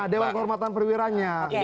dewan kehormatan perwiranya